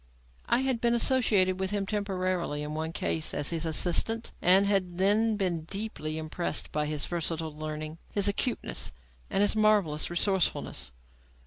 I had been associated with him temporarily in one case as his assistant, and had then been deeply impressed by his versatile learning, his acuteness and his marvellous resourcefulness.